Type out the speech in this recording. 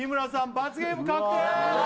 罰ゲーム確定！